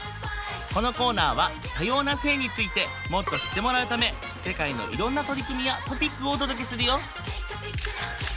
このコーナーは多様な性についてもっと知ってもらうため世界のいろんな取り組みやトピックをお届けするよ。